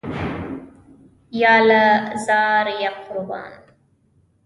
یاله زار، قربان.